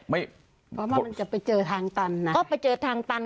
เพราะว่ามันจะไปเจอทางตันนะก็ไปเจอทางตัน